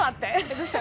どうした？